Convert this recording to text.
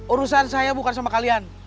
urusan saya bukan sama kalian